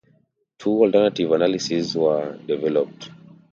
Two alternative analyses were developed.